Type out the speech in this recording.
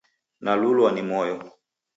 Nalulwa ni moyo.